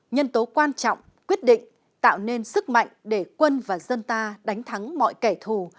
nhân tố quan trọng quyết định tạo nên sức mạnh để quân và dân ta đánh thắng mọi kẻ thù